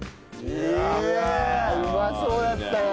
うまそうだったな。